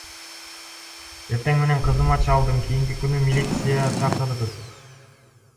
Эртең менен кызыма чалдым, кийинки күнү милиция чакырдык.